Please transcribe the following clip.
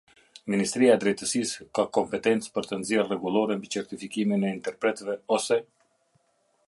Ministria e Drejtësisë ka kompetencë për të nxjerr rregullore mbi çertifikimin e interpretove ose.